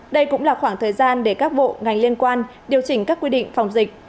đây cũng là khoảng thời gian để các bộ ngành liên quan điều chỉnh các quy định phòng dịch